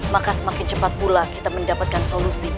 maka semakin cepat pula kita mendapatkan solusi